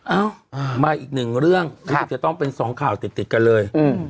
เอ้ามาอีกหนึ่งเรื่องรู้สึกจะต้องเป็นสองข่าวติดติดกันเลย